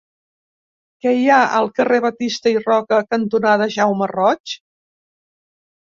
Què hi ha al carrer Batista i Roca cantonada Jaume Roig?